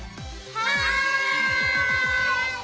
はい！